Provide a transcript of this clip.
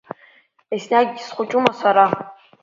Еснагь схәыҷума сара?